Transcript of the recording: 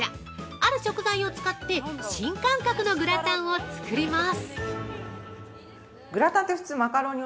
ある食材を使って新感覚のグラタンを作ります！！